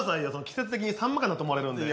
季節的にサンマかなと思われるんで。